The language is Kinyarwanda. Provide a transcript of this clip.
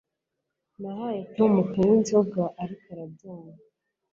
Nahaye Tom kunywa inzoga, ariko arabyanga.